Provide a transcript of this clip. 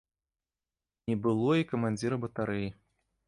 Не было і камандзіра батарэі.